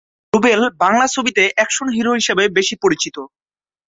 রুবেল বাংলা ছবিতে action hero হিসেবে বেশি পরিচিত।